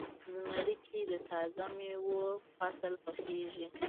زمری کې د تازه میوو فصل پخیږي.